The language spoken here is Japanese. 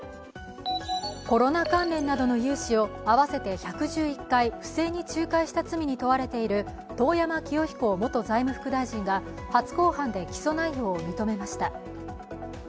コロナ関連などの融資を合わせて１１１回不正に仲介した罪に問われている遠山清彦元財務副大臣が初公判で、起訴内容を認めました。